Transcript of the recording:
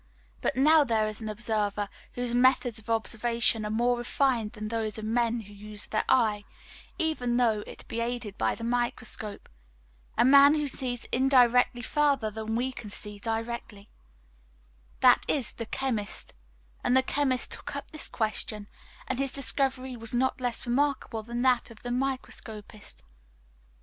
But now there is an observer whose methods of observation are more refined than those of men who use their eye, even though it be aided by the microscope; a man who sees indirectly further than we can see directly that is, the chemist; and the chemist took up this question, and his discovery was not less remarkable than that of the microscopist.